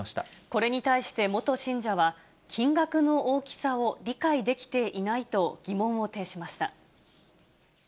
これに対して元信者は、金額の大きさを理解できていないと疑問を呈しました。